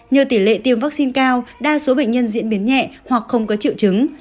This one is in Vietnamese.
nhờ tỷ lệ tiêm vaccine cao đa số bệnh nhân diễn biến nhẹ hoặc không có triệu chứng